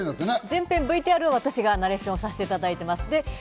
全編、ＶＴＲを私がナレーションをさせていただいています。